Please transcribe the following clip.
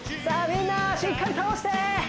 みんなしっかり倒して！